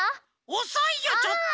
おそいよちょっと。